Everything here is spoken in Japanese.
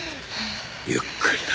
ゆっくりだ。